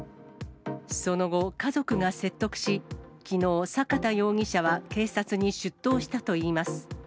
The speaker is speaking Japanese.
その後、家族が説得し、きのう、坂田容疑者は警察に出頭したといいます。